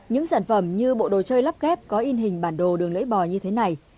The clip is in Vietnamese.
những sản phẩm như bộ đồ chơi lắp ghép có in hình bản đồ đường lưỡi bò như thế này